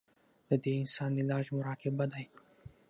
د دې اسان علاج مراقبه دے -